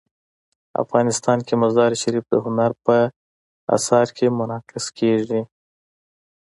افغانستان کې مزارشریف د هنر په اثار کې منعکس کېږي.